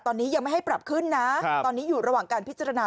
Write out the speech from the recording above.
ตอนนี้ยังไม่ให้ปรับขึ้นนะตอนนี้อยู่ระหว่างการพิจารณา